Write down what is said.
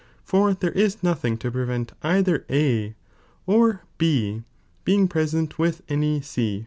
For there is nothing to prevent either A or B being present with any C, 1.